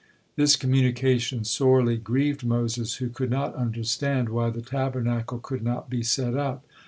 This communication sorely grieved Moses, who could not understand why the Tabernacle could not be set up.